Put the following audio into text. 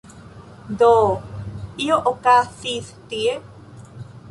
Do… io okazis tie.